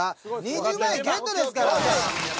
２０万円ゲットですから。